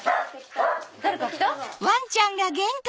誰か来たの？